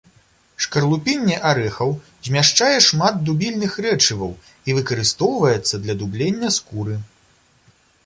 Шкарлупінне арэхаў змяшчае шмат дубільных рэчываў і выкарыстоўваецца для дублення скуры.